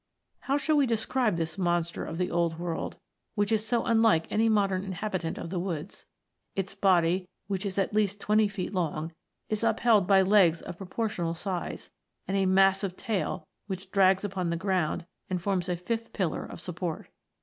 How shall we describe this monster of the old world, which is so unlike any modern inhabitant of the woods ? Its body, which is at least twenty feet long, is upheld by legs of proportional size, and a massive tail, which drags upon the ground and forms a fifth pillar of support.